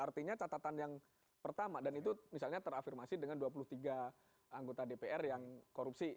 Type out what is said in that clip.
artinya catatan yang pertama dan itu misalnya terafirmasi dengan dua puluh tiga anggota dpr yang korupsi